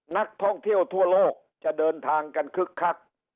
นักท่องเที่ยวทั่วโลกจะเดินทางกันคึกคัก